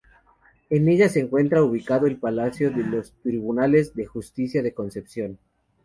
En ella se encuentra ubicado el Palacio de los Tribunales de Justicia de Concepción.